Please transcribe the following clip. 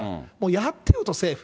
やってよと、政府。